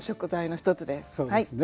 そうですね。